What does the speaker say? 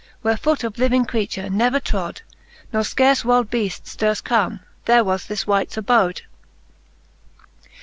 Where foot of living creature never trode, Ne fcarfe wyld beafts durft come, there was this wights abode.